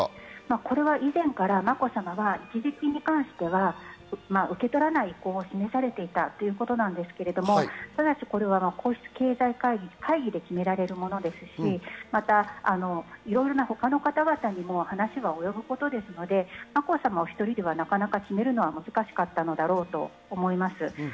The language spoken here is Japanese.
これは以前からまこさまは一時金に関しては受け取らない意向を示されていたということなんですけど、ただしこれは皇室経済会議で決められるものですし他の方々にも話は及ぶことですのでまこさまお１人ではなかなか決めるのは難しかったのだろうと思います。